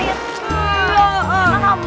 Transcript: bisa tempat speaker